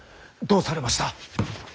どうされました。